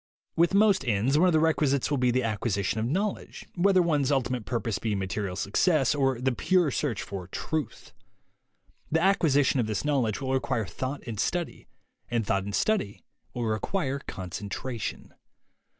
With most ends, one of the requisities will be the acquisition of knowledge — whether one's ulti mate purpose be material success or the pure search for Truth. The acquisition of this knowledge will require thought and study, and thought and study will require concentration.